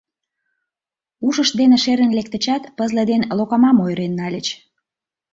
Ушышт дене шерын лектычат, пызле ден локамам ойырен нальыч.